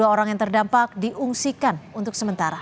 dua orang yang terdampak diungsikan untuk sementara